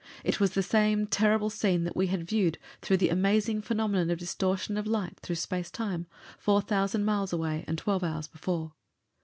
It was the same terrible scene that we had viewed, through the amazing phenomenon of distortion of light through space time, four thousand miles away and twelve hours before.